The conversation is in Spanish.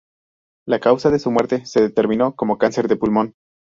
La causa de su muerte se determinó como cáncer de pulmón.